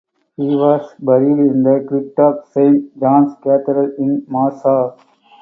He was buried in the crypt of Saint John's cathedral in Warsaw.